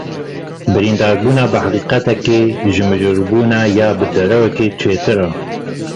Birîndarbûna bi heqîqetekê, ji mijûlbûna ya bi derewekê çêtir e.